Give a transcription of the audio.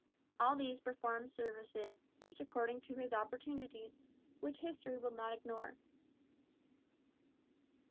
All these performed services, each according to his opportunities, which history will not ignore.